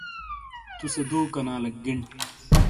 توسے دوکنالیک گݨ۔